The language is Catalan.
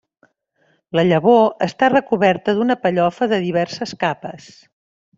La llavors està recoberta d'una pellofa de diverses capes.